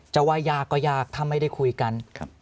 จะว่ายากก็ยากถ้าไม่ได้คุยกัน